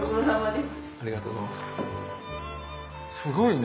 すごいね。